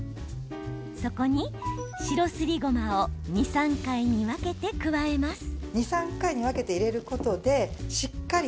そこに白すりごまを２、３回に分けて加えます。